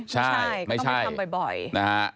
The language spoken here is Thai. ใช่ไม่ใช่ก็ต้องไปทำบ่อย